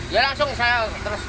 ya langsung saya terus